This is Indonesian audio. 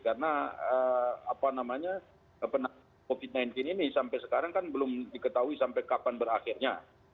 karena apa namanya covid sembilan belas ini sampai sekarang kan belum diketahui sampai kapan berakhirnya